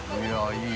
いい。